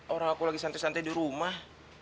orang aku lagi santai santai di rumah